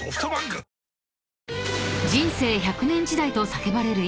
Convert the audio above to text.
［人生１００年時代と叫ばれる